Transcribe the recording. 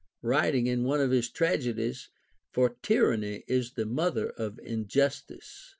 writing in one of his tragedies, — For tyranny is the mother of injustice.